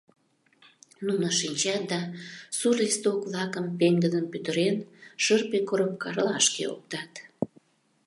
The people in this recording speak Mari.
Нуно шинчат да сур листок-влакым, пеҥгыдын пӱтырен, шырпе коробкалашке оптат.